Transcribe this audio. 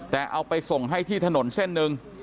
แต่เอาไปส่งให้ที่ถนนเส้นหนึ่ง